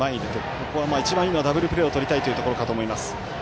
ここは一番いいのはダブルプレーをとりたいというところかと思います。